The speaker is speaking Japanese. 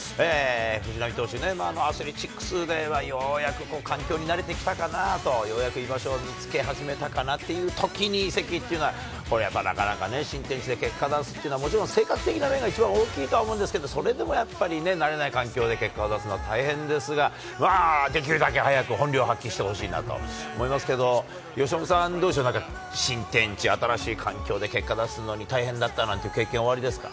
藤浪投手ね、まあアスレチックスではようやく環境に慣れてきたかなと、ようやく居場所を見つけ始めたかなっていうときに移籍というのはこれ、やっぱりなかなかね、新天地で結果出すっていうのは、もちろん性格的な面が一番大きいと思うんですけど、それでもやっぱりね、慣れない環境で結果を出すのは大変ですが、まあできるだけ早く本領を発揮してほしいなと思いますけど、由伸さん、どうでしょう、何か新天地、新しい環境で結果出すのに大変だったなんて経験おありですか。